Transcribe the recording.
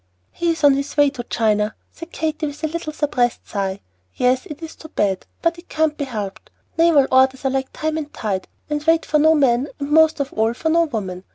"He is on his way to China," said Katy, with a little suppressed sigh. "Yes, it is too bad; but it can't be helped. Naval orders are like time and tide, and wait for no man, and most of all for no woman."